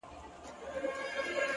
ه زه تر دې کلامه پوري پاته نه سوم؛